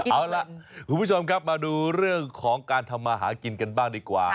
เอาล่ะคุณผู้ชมครับมาดูเรื่องของการทำมาหากินกันบ้างดีกว่า